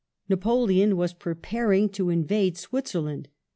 Napoleon was preparing to invade Switzerland.